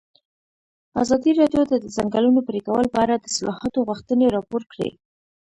ازادي راډیو د د ځنګلونو پرېکول په اړه د اصلاحاتو غوښتنې راپور کړې.